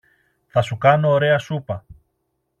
Θα σου κάνω ωραία σούπα.